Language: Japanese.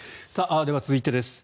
では、続いてです。